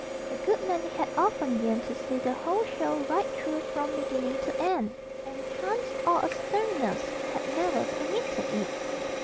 A good many had often yearned to see the whole show right through from beginning to end, and chance or a stern nurse had never permitted it.